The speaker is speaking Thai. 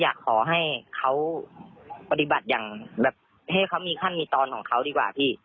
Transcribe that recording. อยากให้เขาปฏิบัติอย่างแบบให้เขามีขั้นมีตอนของเขาดีกว่าพี่